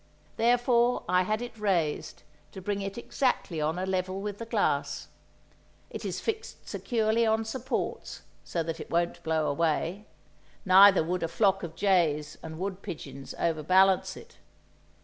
Therefore I had it raised to bring it exactly on a level with the glass. It is fixed securely on supports, so that it won't blow away, neither would a flock of jays and wood pigeons overbalance it.